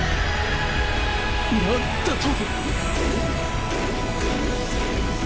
なんだと？